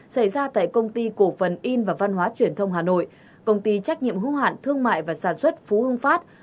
xảy ra tại công ty cổ phần in và văn hóa truyền thông hà nội công ty trách nhiệm hữu hạn thương mại và sản xuất phú hưng phát